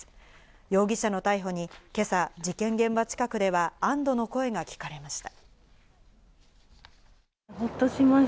容疑者の逮捕に今朝、事件現場近くでは安堵の声が聞かれました。